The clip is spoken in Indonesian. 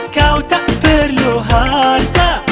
kau tak perlu harta